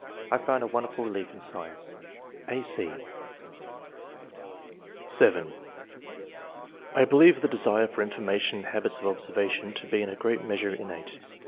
I found a won derful relief in science." (a, c) (7) " I believe the desire for information and habits of observation to be in a great measure innate.